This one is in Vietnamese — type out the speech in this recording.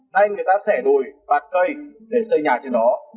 nay người ta xẻ đồi bạt cây để xây nhà trên đó